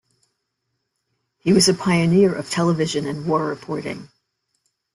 He was a pioneer of television and war reporting.